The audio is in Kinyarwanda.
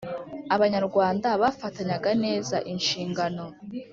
abanyarwanda bafatanyaga neza inshingano.